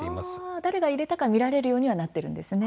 誰が入れたかは見られるようになっているんですね。